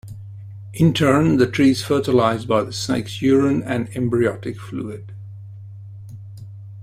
In turn the tree is fertilized by the snake's urine and embryotic fluid.